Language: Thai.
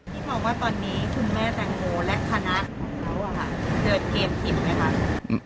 มองว่าตอนนี้คุณแม่แตงโมและคณะของเขาเดินเกมผิดไหมคะ